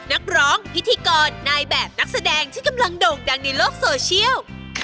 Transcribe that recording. นักร้องพิธีกรนายแบบนักแสดงที่กำลังโด่งดังในโลกโซเชียล